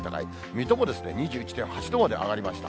水戸も２１．８度まで上がりました。